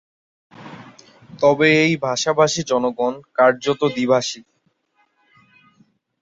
তবে এই ভাষাভাষী জনগণ কার্যত দ্বিভাষী।